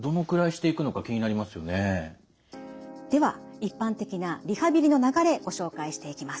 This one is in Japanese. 一般的なリハビリの流れご紹介していきます。